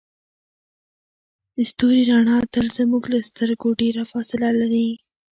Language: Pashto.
د ستوري رڼا تل زموږ له سترګو ډیره فاصله لري.